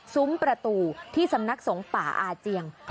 ซุ้มประตูที่สำนักสงฆ์ป่าอาเจียง